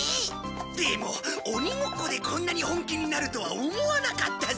でも鬼ごっこでこんなに本気になるとは思わなかったぜ。